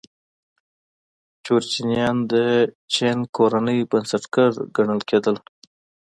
جورچنیان د چینګ کورنۍ بنسټګر ګڼل کېدل.